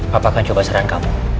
papa akan coba saran kamu